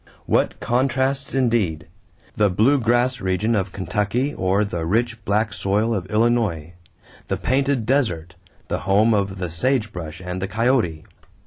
What contrasts indeed! The blue grass region of Kentucky or the rich, black soil of Illinois the painted desert, the home of the sage brush and the coyote!